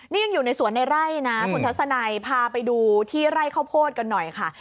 นี่ยังอยู่ในสวนในไร่นะคุณทัศนัยพาไปดูที่ไร่ข้าวโพดกันหน่อยค่ะ